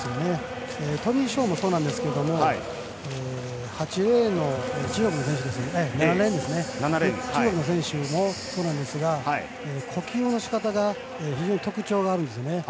トニ・ショーもそうなんですけど、中国の選手もそうなんですが、呼吸のしかたが特徴があるんですね。